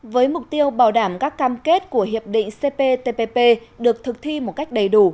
với mục tiêu bảo đảm các cam kết của hiệp định cptpp được thực thi một cách đầy đủ